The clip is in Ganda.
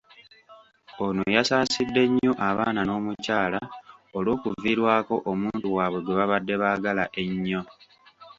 Ono yasaasidde nnyo abaana n'omukyala olw'okuviirwako omuntu waabwe gwe babadde baagala ennyo.